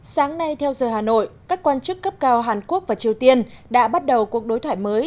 sáng nay theo giờ hà nội các quan chức cấp cao hàn quốc và triều tiên đã bắt đầu cuộc đối thoại mới